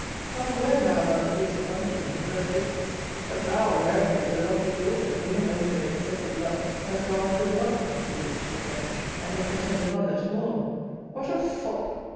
Not a word now about the bits of bunting and the fir frigates; but now, America is the lovely daughter, who, in a moment of excessive love, has gone off with a lover (to wit, the French) and left the tender mother to mourn! What a fop!